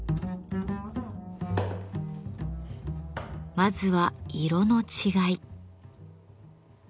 まずは色の違い。